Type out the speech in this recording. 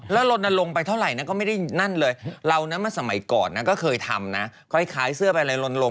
แล้วลนลงไปเท่าไหร่นะก็ไม่ได้นั่นเลยเรานั้นมาสมัยก่อนนะก็เคยทำนะคล้ายเสื้อไปอะไรลนลง